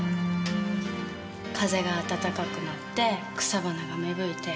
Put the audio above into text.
風が暖かくなって草花が芽吹いて。